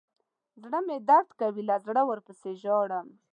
زړه مې درد کوي له زړه ورپسې ژاړم.